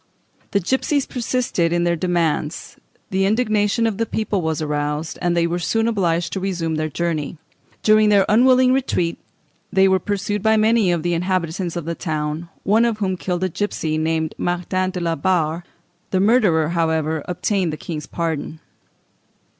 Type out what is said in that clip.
The gipsies persisted in their demands, the indignation of the people was aroused, and they were soon obliged to resume their journey. During their unwilling retreat, they were pursued by many of the inhabitants of the town, one of whom killed a gipsy named Martin de la Barre: the murderer, however, obtained the King's pardon.